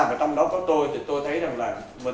và trong đó có tôi thì tôi thấy rằng là